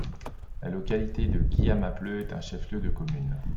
La localité de Guiamapleu est un chef-lieu de commune.